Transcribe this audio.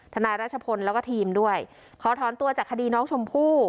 นายรัชพลแล้วก็ทีมด้วยขอถอนตัวจากคดีน้องชมพู่